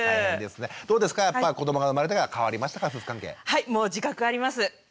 はいもう自覚あります。